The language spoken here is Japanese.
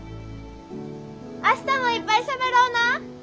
明日もいっぱいしゃべろうな！